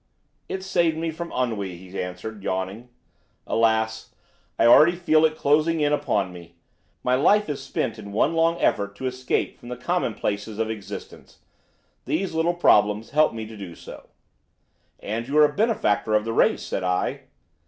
"It saved me from ennui," he answered, yawning. "Alas! I already feel it closing in upon me. My life is spent in one long effort to escape from the commonplaces of existence. These little problems help me to do so." "And you are a benefactor of the race," said I.